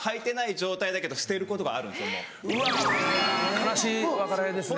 悲しい別れですね。